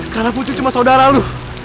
karena putri cuma saudara lo